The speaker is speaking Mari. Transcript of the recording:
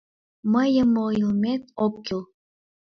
Мыйым ойлымет ок кӱл!